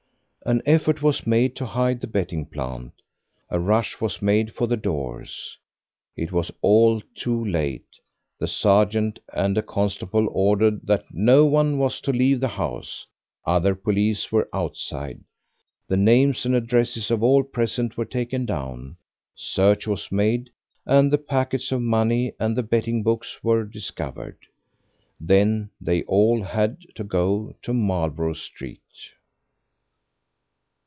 An effort was made to hide the betting plant; a rush was made for the doors. It was all too late; the sergeant and a constable ordered that no one was to leave the house; other police were outside. The names and addresses of all present were taken down; search was made, and the packets of money and the betting books were discovered. Then they all had to go to Marlborough Street.